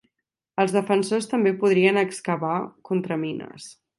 Els defensors també podrien excavar contramines.